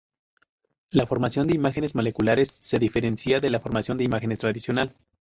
La formación de imágenes moleculares se diferencia de la formación de imágenes tradicional.